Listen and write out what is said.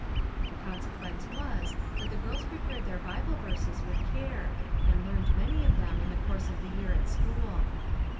The consequence was that the girls prepared their Bible verses with care, and learned many of them, in the course of a year at school.